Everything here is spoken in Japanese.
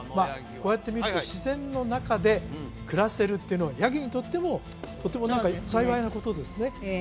こうやって見ると自然の中で暮らせるっていうのはヤギにとってもとても何か幸いなことですねええ